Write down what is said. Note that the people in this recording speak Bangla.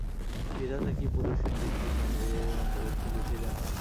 বিধাতা কি পুরুষের দৃষ্টির সঙ্গে অন্তর্দৃষ্টি কিছুই দেন নাই।